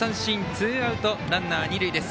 ツーアウトランナー、二塁です。